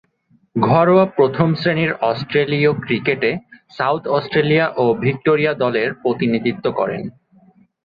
ঘরোয়া প্রথম-শ্রেণীর অস্ট্রেলীয় ক্রিকেটে সাউথ অস্ট্রেলিয়া ও ভিক্টোরিয়া দলের প্রতিনিধিত্ব করেন।